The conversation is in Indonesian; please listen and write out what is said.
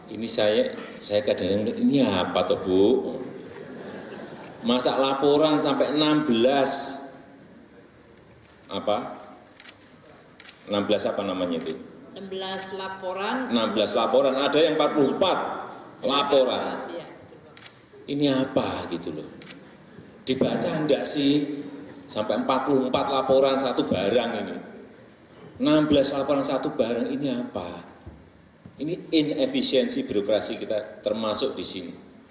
ini apa ini inefisiensi birokrasi kita termasuk di sini